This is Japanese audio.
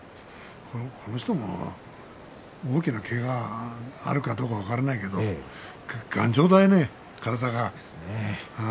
この人も大きなけががあるかどうか分からないけれど頑丈だね、体がね。